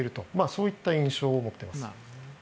そういった印象を持っています。